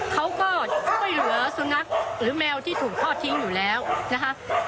เขาก็ช่วยเหลือสุนัขหรือแมวที่ถูกทอดทิ้งอยู่แล้วนะคะ